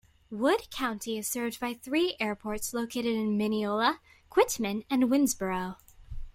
Wood County is served by three airports located in Mineola, Quitman, and Winnsboro.